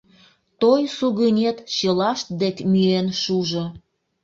Той сугынет чылашт дек миен шужо!